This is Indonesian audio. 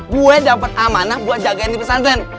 gue dapat amanah buat jagain di pesantren